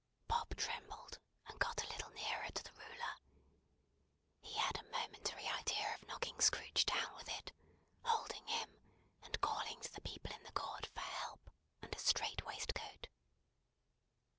Bob trembled, and got a little nearer to the ruler. He had a momentary idea of knocking Scrooge down with it, holding him, and calling to the people in the court for help and a strait waistcoat.